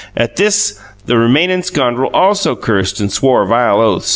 At this the remanin scondrel also cursed and swore vile oaths.